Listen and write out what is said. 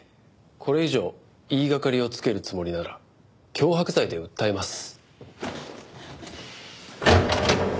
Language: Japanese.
これ以上言いがかりをつけるつもりなら脅迫罪で訴えます。